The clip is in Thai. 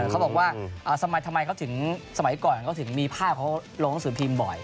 เขาบอกว่าสมัยก่อนก็ถึงมีภาพเขาลงสืบทีมบ่อย